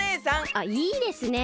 あっいいですね。